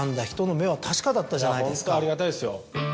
ホントありがたいですよ。